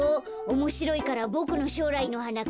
おもしろいからボクのしょうらいのはな